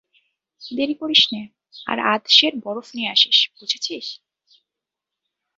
দেরি করিস নে, আর আধ সের বরফ নিয়ে আসিস, বুঝেছিস?